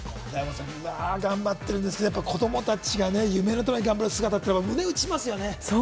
みんな頑張ってるんですけれど、子どもたちが夢のために頑張る姿って胸を打ちますよね。